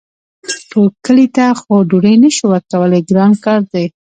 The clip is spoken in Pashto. ټول کلي ته خو ډوډۍ نه شو ورکولی ګران کار دی.